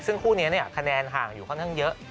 ซึ่งคู่นี้คะแนนห่างอยู่ค่อนข้างเยอะ